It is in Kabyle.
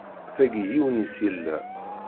Tagi yiwen-is yella.